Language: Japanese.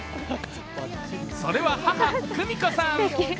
それは母・久美子さん。